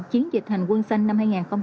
chiến dịch hành quân xanh năm hai nghìn hai mươi